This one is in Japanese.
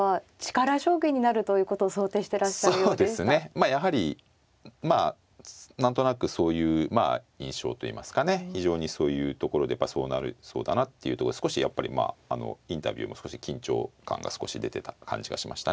まあやはりまあ何となくそういうまあ印象といいますかね非常にそういうところでやっぱそうなりそうだなっていうとこで少しやっぱりまあインタビューも少し緊張感が少し出てた感じがしましたね。